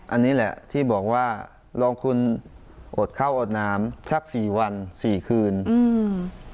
อันนี้แหละที่บอกว่าลงทุนอดข้าวอดน้ำสักสี่วันสี่คืนอืม